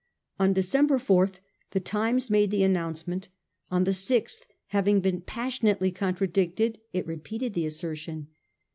On December 4 the Times made the announcement. On the 6th, having been passionately contradicted, it repeated the assertion.